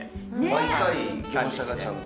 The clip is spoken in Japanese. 毎回業者がちゃんと。